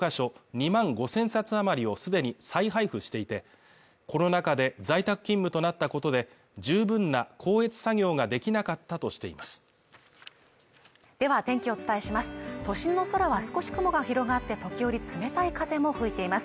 ２万５０００冊余りをすでに再配布していてコロナ禍で在宅勤務となったことで十分な校閲作業ができなかったとしていますでは天気をお伝えします都心の空は少し雲が広がって時折冷たい風も吹いています